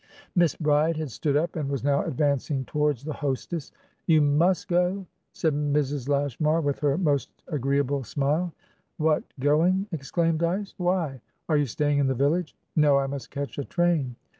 Miss Bride had stood up, and was now advancing towards the hostess. "You must go?" said Mrs. Lashmar, with her most agreeable smile. "What, going?" exclaimed Dyce. "Why? Are you staying in the village?" "No. I must catch a train."